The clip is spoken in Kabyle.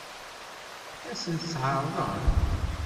Ad sent-tt-ɛeṛḍen?